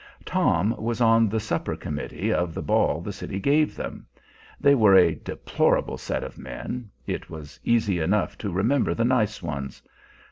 Tom was on the supper committee of the ball the city gave them. They were a deplorable set of men; it was easy enough to remember the nice ones.